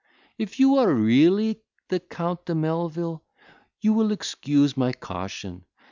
If you are really the Count de Melvil, you will excuse my caution.